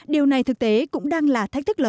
điều này thực tế cũng đang là thách thức lớn